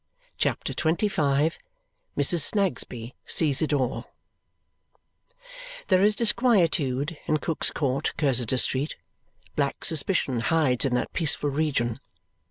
CHAPTER XXV Mrs. Snagsby Sees It All There is disquietude in Cook's Court, Cursitor Street. Black suspicion hides in that peaceful region.